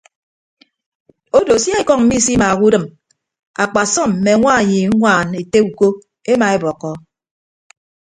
Odo sia ekọñ misimaaha udịm akpasọm mme añwanyi ñwaan ete uko emaebọkkọ.